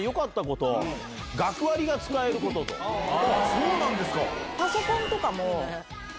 そうなんですか！